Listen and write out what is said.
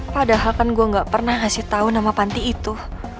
padahal kan gue gak pernah ngasih tahu nama panti itu